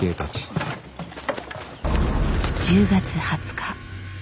１０月２０日。